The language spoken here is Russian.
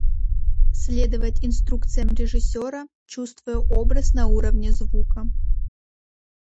Следовать инструкциям режиссера, чувствуя образ на уровне звука.